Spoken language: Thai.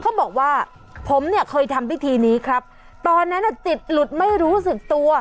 เขาบอกว่าผมเนี่ยเคยทำพิธีนี้ครับตอนนั้นอ่ะจิตหลุดไม่รู้สึกตัว